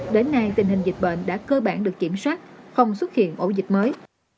đến nay tình hình dịch bệnh đã cơ bản được kiểm soát không xuất hiện ổ dịch mới